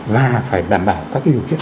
và phải đảm bảo các cái điều kiện